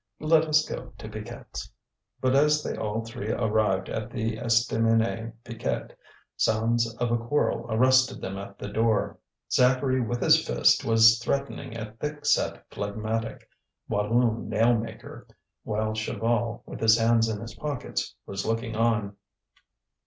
Let us go to Piquette's." But as they all three arrived at the Estaminet Piquette, sounds of a quarrel arrested them at the door; Zacharie with his fist was threatening a thick set phlegmatic Walloon nail maker, while Chaval, with his hands in his pockets, was looking on.